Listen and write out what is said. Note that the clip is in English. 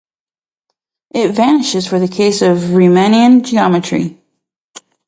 It vanishes for the case of Riemannian geometry.